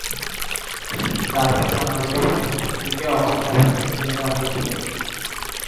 তারপরে অনাগত প্রধান ব্যক্তিকে অক্ষত অবস্থায় ছেড়ে দেওয়া হয়েছিল।